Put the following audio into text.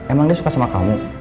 emang dia suka sama kamu